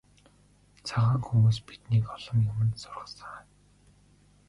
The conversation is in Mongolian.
Цагаан хүмүүс биднийг олон юманд сургасан.